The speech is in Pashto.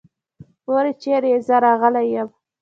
مورې چېرې يې؟ زه راغلی يم.